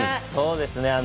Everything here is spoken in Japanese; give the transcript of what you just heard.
そうですね。